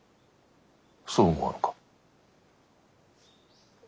そう思わぬか？